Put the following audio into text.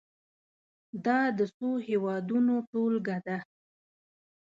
دا د څو هېوادونو ټولګه ده.